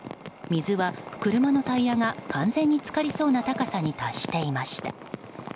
水は車のタイヤが完全に浸かりそうな高さに達していました。